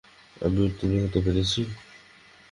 আমি উত্তীর্ণ হতে পেরেছি?